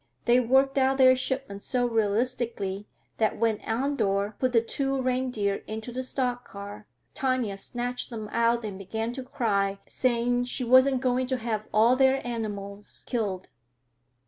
They worked out their shipment so realistically that when Andor put the two little reindeer into the stock car, Tanya snatched them out and began to cry, saying she wasn't going to have all their animals killed.